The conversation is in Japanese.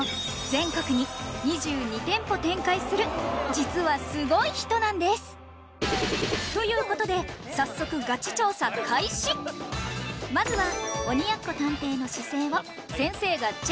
実はすごい人なんですということで早速まずはあ！